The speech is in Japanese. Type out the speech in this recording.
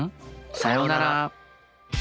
さようなら！